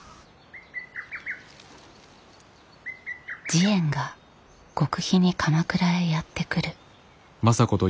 慈円が極秘に鎌倉へやって来る。